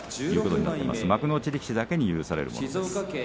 幕内力士だけに許されています。